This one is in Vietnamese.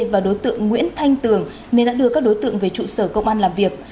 và đối tượng nguyễn thanh tường nên đã đưa các đối tượng về trụ sở công an làm việc